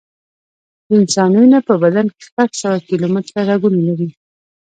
د انسان وینه په بدن کې شپږ سوه کیلومټره رګونه لري.